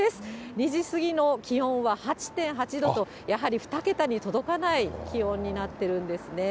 ２時過ぎの気温は８．８度と、やはり２桁に届かない気温になってるんですね。